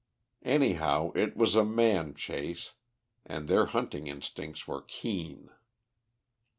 Anyhow, it was a man chase, and their hunting instincts were keen.